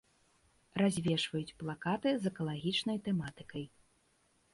Развешваюць плакаты з экалагічнай тэматыкай.